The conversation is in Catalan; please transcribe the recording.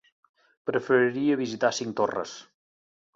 Preferiria visitar Cinctorres.